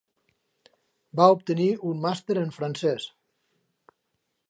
Va obtenir un màster en francès.